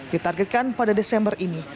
ditargetkan pada desember ini